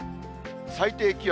最低気温。